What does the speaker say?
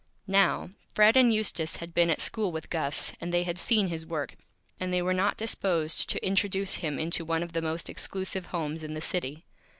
Now, Fred and Eustace had been at School with Gus, and they had seen his Work, and they were not disposed to Introduce him into One of the most Exclusive Homes in the City.